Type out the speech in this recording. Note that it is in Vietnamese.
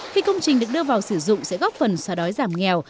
khi công trình được đưa vào sử dụng sẽ góp phần xóa đói giảm nghèo